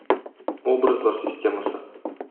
Образлар системасы.